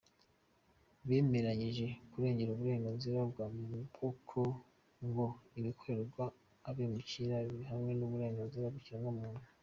Bemeranyijwe kurengera uburenganzira bwa muntu kuko ngo ibikorerwa abimukira bihabanye n’uburenganzira bw’ikiremwamuntu.